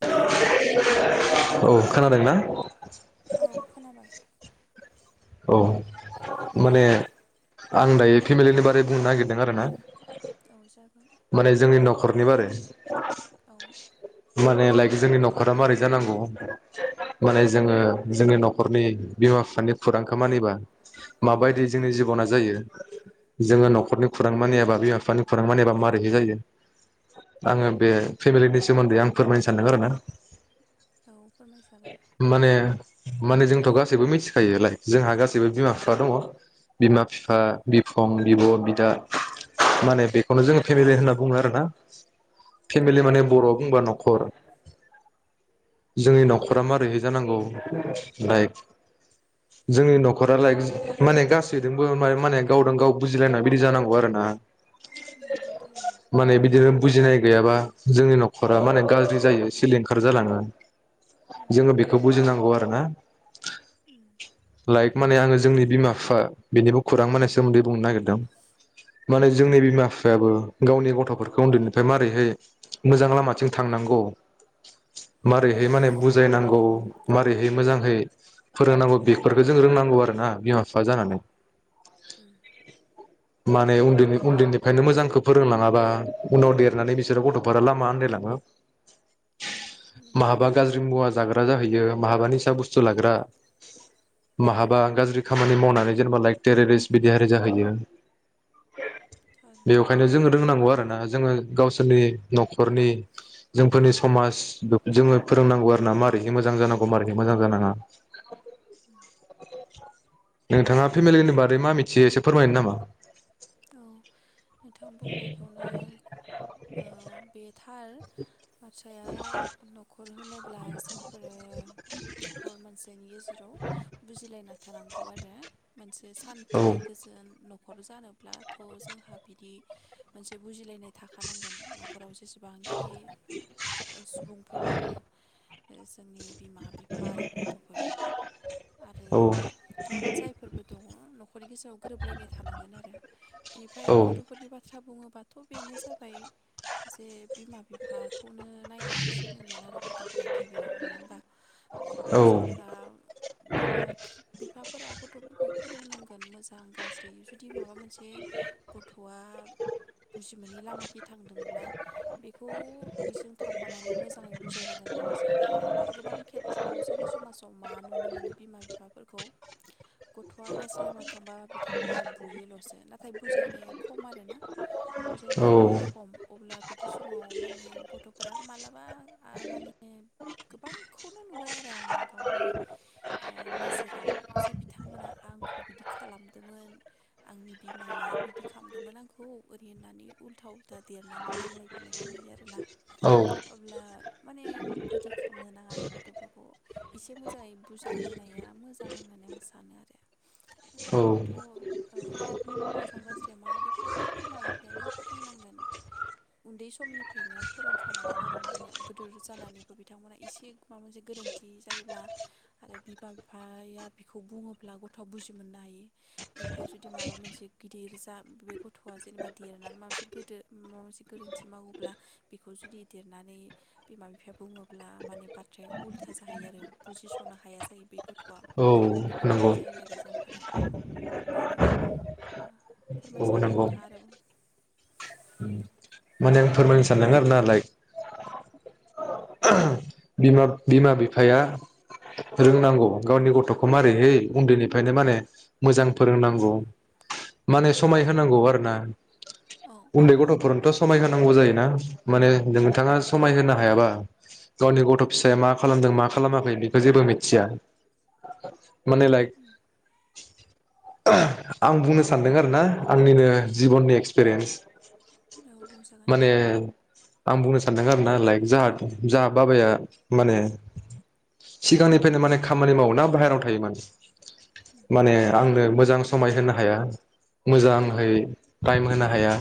Hello [inaudible] औ खोनादोंना? औ खोनाबाय औ दे माने आं दायो फेमिलिनि बारै बुंनो नागिरदों आरो ना औ जागोन माने जोंनि नखरनि बारै औ माने लाइक जोंनि नखरा मारै जानांगौ माने जोङो जोंनि नखरनि बिमा बिफानि फुरां खामानिबा उम माबायदि जोंनि जिबना जायो जोङो नखरनि खुरां मानि एाबा बिमा बिफानि खुरां मानियाबा माबारैहाय जायो आङो बे फेमिलिनि सोमोन्दै आं फोरमायनो सानदों आरोना औ फोरमायजागोन माने माने जों थ गासैबो मिथिखायोलाय जोंहा गासैबो बिमा-बिफा दङ बिमा-बिफा, उम बिफं, बिब'-बिदा माने बेखौनो जोङो फेमिलि होनना बुङो आरोना औ फेमिलि माने नंगौ बर'आव बुंबा नखर जोंनि नंगौ नखरा मारैहाय जानांगौ लाइक जोंनि नखरा लायक माने गासैजोंबो माने माने गावदों-गाव बुजिलायनाय बिदि जानांगौ आरो ना नंगौ थारैनो माने बिदिनो बुजिनाय गैयाबा जोंनि नखरा माने गाज्रि जायो सिलिंखार जालाङो। उम जोङो बेखौ बुजिनांगौ आरो ना [inaudible] [inaudible] लाइक माने आङो जोंनि बिमा-बिफा बिनिबो खुरां माने सोमोन्दै बुंनो नागिरदों माने उम जोंनि बिमा-बिफायाबो गावनि गथ'फोरखौ उन्दैनिफ्राय मारैहाय मोजां लामाथिं थांनांगौ मारैहाय माने बुजायनांगौ मारैहाय मोजांहै फोरोंनांगौ बेफोरखौ जों रोंनांगौ आरो ना बिमा-बिफा जानानै [inaudible] माने उन्दैनि-उन्दैनिफ्रायनो मोजांखौ फोरोंलाङाबा उनाव देरनानै बिसोरो गथ'फोरा लामा आन्दायलाङो उम नंगौ माहाबा गाज्रि मुवा ज जाग्रा जाहैयो माहाबानि सायाव बुस्थु लाग्रा माहाबा गाज्रि खामानि मावनानै जेनेबा लाइक टेरेरिस्ट बिदिहारि जाहैयो थार बेवखायनो जोंङो रोंनांगौ आरो ना जोङो गावसोरनि नखरनि जोंफोरनि समाज बेखौ जोङो फोरोंनांगौ आरो ना मारैहाय मोजां जानांगौ मारैहाय मोजां जानाङा उम नोंथाङा फेमिलिनि बारै मा मिथियो एसे फोरमायनो नामा?? औ नोंथां बुंनायखौनो ओ बे थार बाथ्राया न'खर होनोब्ला जोंफोरो न'खर मोनसेनि गेजेराव बुजिलायना थानांगौ आरो मोनसे सान्थि नंगौ गोजोन न'ख न'खर जानो ब्लाथ जोंहा बिदि मोनसे बुजिलायनाय थाखानांगोन न'खराव जेसेबांखि ओ सुबुं फोर दङ जोंनि बिमा बिफा आरो गथ'फोर आरो जायफोरबो दङ नखरनि गेजेराव गोरोबलायनाय थानांगोन आरो। बेनिफ्राय गथ'फोरनि बा बाथ्रा बुङोबाथ बेनो जाबाय जे बिमा बिफा बेखौनो नायनानै सोलोंगोन आरो गथ'फोरा गिबियाव नङा होमबा बेवहाय जोंफोरा बिमा बिफाफोरा गथ'फोरखौ फोरोंनांगोन मोजां गाज्रि जुदि माबा मोनसे जे गथ'आ बुजि मोनै लामााखि थांदोंब्ला बेखौ बेजों थाफानानै मोजाङै बुजायनांगोन होनना आं सानो आरो गोबां खेथ्रआव जोंनि समाजाव मा नुनो मोनो बिमा बिफाफोरखौ गथ'आ गाज्रि लामायाव थांबा बिथांमोना बुयोलसो नाथाय बुजायनाया खम आरोना बुजायनायाल खम अब्ला बिदि समाव माने गथ'फोरा मालाबा माने गोबांखौनो नुबाय आरो आङो गावनि नोजोराव जे बिथांमोना आंखौ बिदि खालामदोंमोन आंनि बिमाया बिदि खालामदोंमोन आंखौ ओरैहोननानै उलथा-उलथा देरनानै नांलायफिननायखौ नुयो आरोना अब्ला माने बिदि खालामनो नाङा आरो गथ'फोरखौ एसे मोजाङै बुजायग्रोनाया मोजां होननानै आं सानो आरो। बेनिफ्रायथ' मोजां गाज्रिया मा बेखौ बिमा बिफायानो फोरोंनांगोन उन्दै समनिफ्रायनो फोरोंखानांगोन आरो होमबानिया गोदोर जानानैबो बिथांमोना एसे माबा मोनसे गोरोन्थि जायोब्ला आरो बिमा बिफाया बेखौ बुङोब्ला गथ'आ बुजि मोननो हायो। बेनिफ्राय जुदि माबा मोनसे गिर्जा बे [unintelligible] गथआ जेनेबा देरनानै माबा मोनसे गोदो माबा मोनसे गोरोन्थि मावोब्ला बेखौ जुदि देरनानै बिमा बिफाया बुङोब्ला माने बाथ्राया उल्था जाहैयो आरो बुजिसनो हाया जायो। बे गथआ बेफोरबायदि जायो आरो जाहोना बेनो। औ फोरमायजागोन नंगौ नोंथाङा आरो माने आं फोरमायनो सानदों ना [inaudible] बिमा-बिमा बिफाया रोंनांगौ गावनि गथखौ मारैहै उन्दैनिफ्रायनो माने मोजां फोरोंनांगौ माने समाय होनांगौ आरो ना औ उन्दै गथफोरनोथ समाय होनांगौ जायोना माने नोंथाङा उम समाय होनो हायाबा। गावनि गथ फिसाया मा खालामदों मा खालामाखै बेखौ जेबो मिथिया। माने लाइक उम आं बुंनो सान्दों आरो ना आंनिनो जिबननि एक्सपिरियेन्स। माने [inaudible] आं बुंनो सानदों आरो ना लाइक [unintelligible] जाहा बाबाया माने सिगांनिफ्रायनो माने खामानि मावो ना बाहेरायाव थायो माने माने आंनो मोजां समाय होनो हाया मोजाहै टाइम होनो हाया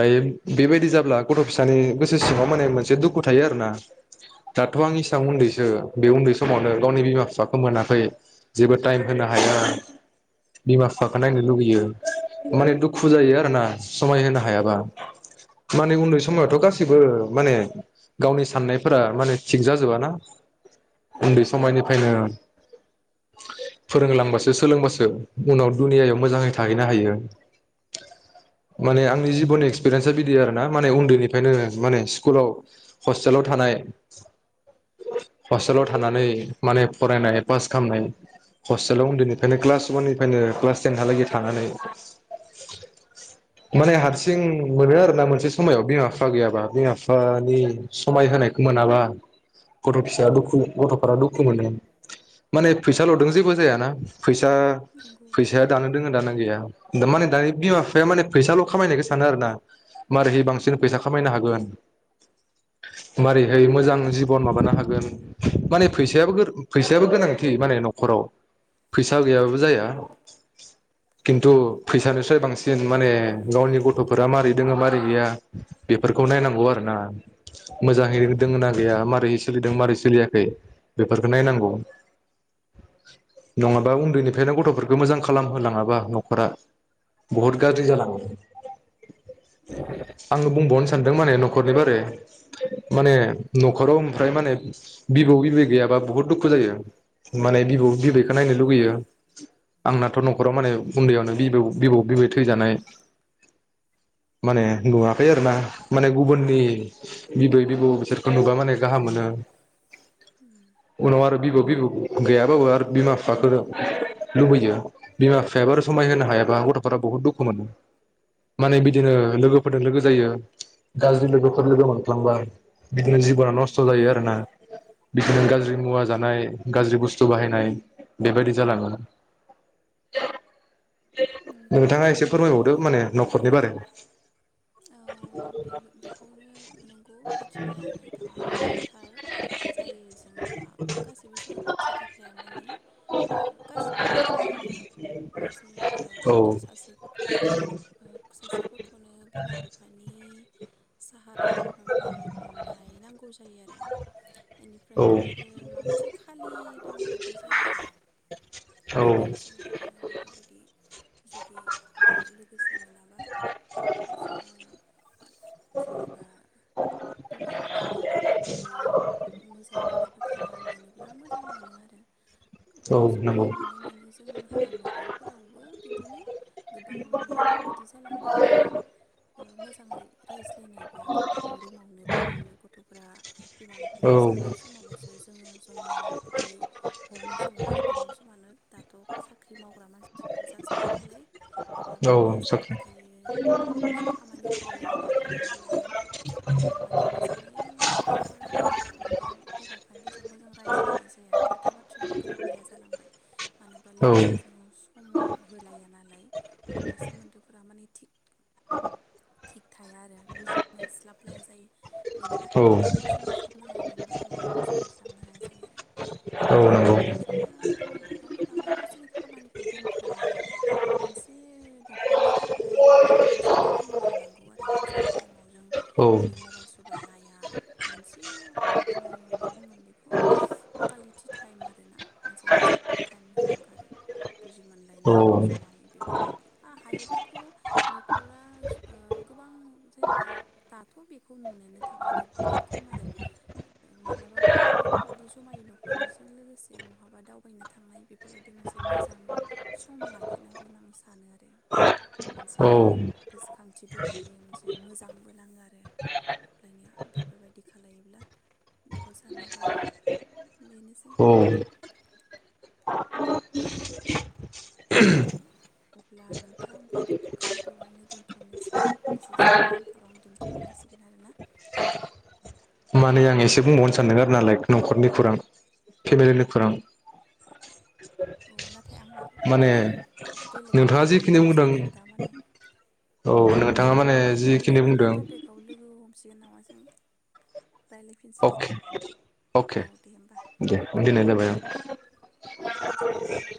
दायो बेबायदि जाब्ला गथ फिसानि गोसो सिङाव माने मोनसे दुखु थायो आरो ना दाथ आं उम औ इसेबां थायो उन्दैसो बे उन्दैसो समावनो गावनि बिमा बिफाखौ मोनाखै जेबो टाइम होनो उम हाया। बिमा बिफाखौ नायनो लुुबैयो माने दुखु जायो आरो ना समाय होनो हायाबा उम माने जायो उन्दै समावथ गासिबो माने गावनि साननायफोरा माने थिग जाजोबाना। उम उन्दै समायनिफ्रायनो फोरोंलांबासो सोलोंबासो उनाव दुनियायाव मोजाङै थाहैनो हायो माने आंनि जिबननि एक्सपिरियेन्सा बिदि आरो ना माने उन्दैनिफ्रायनो माने स्कुलाव हस्टेलाव थानाय हस्टेलाव थानानै माने फरायनाय पास खालामनाय हस्टेलाव उन्दैनिफ्रायनो क्लास वाननिफ्रायनो क्लास टेनहालागै थानानै माने हारसिं मोनो आरोना मोनसे समायाव बिमा बिफा गैयाबा बिमा बिफानि समाय होनायखौ मोनाबा गथ फिसा दुखु गथफोराबो दुखु मोनो माने फैसा लदोंबो जेबो जायाना। फैसा नंगौ फैसाया थार दानोदों दानो गैया। दा माने दानि बिमा बिफाया माने फैसाल खामायनायखौ सानो आरो ना मारैहाय बांसिन फैसा खामायनो हागोन माबारैहाय मोजां जिबन माबानो हागोन माने फैसायाबो फैसायाबो गोनांथि माने नखराव फैसा गैयाबाबो जाया खिन्थु फैसानिसो बांसिन माने गावनि गथफोरा माबारै दोङ माबारै गैया बेफोरखौ नायनांगौ आरोना मोजांङै नंगौ दङ ना गैया मारै सोलिदों मारै सोलियाखै बेफोरखौ नायनांगौ नङाबा उन्दैनिफ्रायनो गथ'फोरखौ मोजां खालामहोलाङाबा नखरा बुहुद गाज्रि जालाङो। औ आङो बुंबावनो सा सानदों माने नखरनि बारै माने उम नखराव ओमफ्राय माने बिबौ बिबै गैयाबा बुहुद दुखु जायो माने बिबौ बिबैखौ नायनो लुगैयो आंनाथ नखराव माने उन्दैयावनो बिबौ बिबौ बिबै थैजानाय माने नुवाखै आरोना। माने गुबुननि उम बिबै बिबौ बिसोरखौ नुबा माने गाहाम मोनो। उनाव आरो बिबौ बिबौ गैयाबाबो आरो बिमा बिफाफोर लुबैयो बिमा बिफायाबो आरो समाय होनो हायाबा गथ'फोरा बुहुत दुखु मोनो। माने औ बिदिनो नंगौ लोगोफोरजों लोगो जायो गाज्रि लोगोफोर लोगोमोन [unintelligible] बिदिनो जिबना नस्थ औ जायो आरोना बिदिनो जायो गाज्रि मुवा जानाय गाज्रि बुस्थु बाहायनाय बेबायदि जालाङो। नंगौ नोंथाङा एसे फोरमायबावदो माने नखरनि बारैनो औ बे-बेखौनो नों गौ बाथ्राया नोंथाङा होननाया थार जायो जोंहा गासिबो समाव फैसा थाखाया माने ओ गासिबो नंजोबा आरोना जोङो औ जुदि सासे गथया सासे गथनो बिमा बिफानि साहारा बिमा बिफानि अननाय नांगौ जायो आरो औ बेनिफ्रायथ आरो माबा मोनसे खालि दङ बायदि जायो आरो औ गोबां समाव जोङो बेफोरबायदि जुदि ओ लोगोसे मोना [inaudible] जोङो जेनेबा बिमा बिफानि बेफोरबायदि मोजां खोथा बाथ्रा मोनोब्ला मोजां मोनो आरो औ गोबां समाव नंगौ नुनो मोनो जोंहा नखरफोरावबो बिदिनो गोबाङानो बिदि जालांबाय आरोना ओ मोजाङै रायज्लायनाय गैया गावबा गाव रुमावनो थायो गथफोरा बिमा औ बिफाया जानाय समावलसो जोङो जमा बिदि हरनि सम माव आरो गोबां समानो दाथ साख्रि मावग्रा मानसिफोर जाजोब्बाय नालाय बिमा बिफाया साख्रि थायो माबा मोनसे खामानि थायो साख्रि नङाब्लाबो अब्ला माने मोजाङै गथफोर आरो माबा बिमा बिफानि गेजेराव मोजां रायज्लायनाय जाया खोथा बाथ्रायानो गोरोब लाया जालांबाय मानो होनोबा औ लोगोसे जोङो सम होलाया ना अब्ला सोमोन्दोफोरा माने थिग थिग थाया आरो बुजि मोनस्लाबलाया जायो। बिनि औ बाथ्राखौ बियो बुजि मोनस्लाबनो हाया बिनि बाथ्राखौ बियो बुजि मोनस्लाबनो हाया जायो। आरो औ नंगौ बेनिखायनो जोङो बिमा बिफ फाफोराबो गावसोरनि खामानिखौ दोनथनानै मोनसे नखर'नि थाखाय मोनसे टाइम लानांगौ आरो जाय टाइमाव जों औ बिदि मबाइल नाया मोनसे माने मा बुंगोन बेखौ कुवालिटि टाइम आरोना। मोनसे मोजां टाइम होनांगौ आरो बुजि औ मोनलायनाय जमायै बेफोरबायदि आ हायोबाथ नखरा ओ गोबां जेनेबा दान थ बेखौ नुनोनो थाङा जोबोद खम आरो ओ मालाबाफोर बेफोरबायदि जमायै न'ख न'खरनि जों लोगोसे बहाबा दावबायनो थांनाय बेफोरबायदि मोनसे मोजां सम लाखिनांगौ होनना आं सानो आरो औ खाथिबो थायो मोनसे मोजांबो नाङो आरो अब्लानिया बेफोरबायदि खालायोब्ला बेखौ सानो आरो आङो बेनोसै। औ औ औ अब्ला नोंथां बे टपिकखौ बेवहायनो दोन्थनोसै एसे समनि आंखालाव दोन्थ नांसिगोन आरोना। ए आं एसे बुंबावनो सानदों आरोनालाय नख'रनि खुरां फेमिलिनि खुरां औ नाथ नाथाय आंहा माने बेलेगाव नोंथाङा जिखिनि थांनांगौ बुंदों जादों दा माने औ नोंथाङा औ माने उननि जिखिनि उननि बुंदों टपिकआव लोगो ह जासिगोन नामा जों रायज्लायफिनसिगोन अके औ अके दे होमबा दे दोननो जाबाय आं। औ गोजोननाय थाबाय।